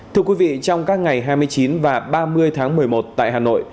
thưa quý vị trong các ngày hai mươi chín và ba mươi tháng một mươi một tại hà nội